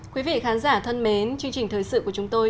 quý vị khán giả thân mến chương trình thời sự của chúng tôi